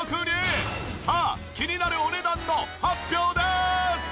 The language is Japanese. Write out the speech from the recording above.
さあ気になるお値段の発表です！